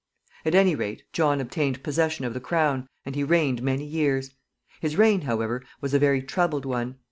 At any rate, John obtained possession of the crown, and he reigned many years. His reign, however, was a very troubled one.